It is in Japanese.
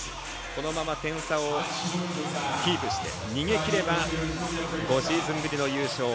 このまま点差をキープして逃げきれば５シーズンぶりの優勝。